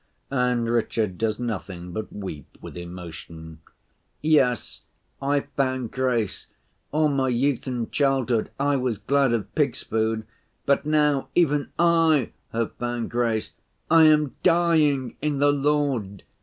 And Richard does nothing but weep with emotion, 'Yes, I've found grace! All my youth and childhood I was glad of pigs' food, but now even I have found grace. I am dying in the Lord.